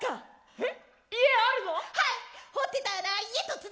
えっ！？